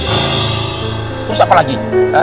terus apa lagi